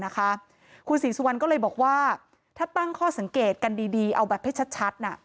คุณศรีสุวรรณก็เลยบอกว่าถ้าตั้งข้อสังเกตกันดีเอาแบบให้ชัด